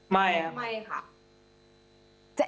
ไม่ค่ะ